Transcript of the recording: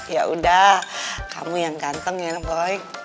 ya udah kamu yang ganteng ya boy